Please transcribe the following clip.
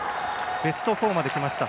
ベスト４まできました。